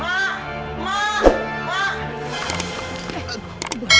pak firman pak firman